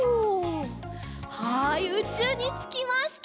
はいうちゅうにつきました。